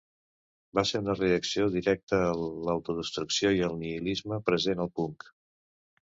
Va ser una reacció directa a l'autodestrucció i el nihilisme present al punk.